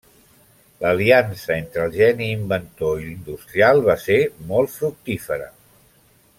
L'aliança entre el geni inventor i l'industrial va ser molt fructífera.